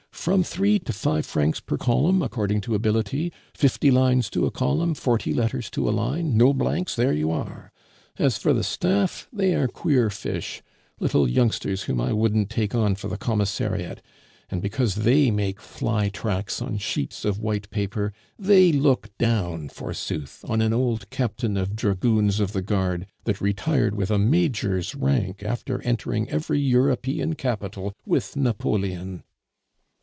"From three to five francs per column, according to ability. Fifty lines to a column, forty letters to a line; no blanks; there you are! As for the staff, they are queer fish, little youngsters whom I wouldn't take on for the commissariat; and because they make fly tracks on sheets of white paper, they look down, forsooth, on an old Captain of Dragoons of the Guard, that retired with a major's rank after entering every European capital with Napoleon."